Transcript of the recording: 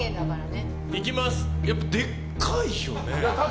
やっぱりでっかいよね。